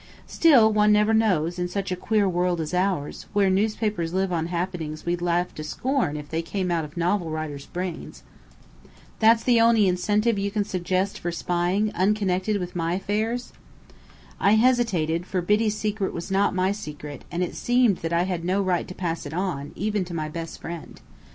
Still, one never knows, in such a queer world as ours, where newspapers live on happenings we'd laugh to scorn if they came out of novel writers' brains." "That's the only incentive you can suggest for spying, unconnected with my affairs?" I hesitated, for Biddy's secret was not my secret, and it seemed that I had no right to pass it on, even to my best friend.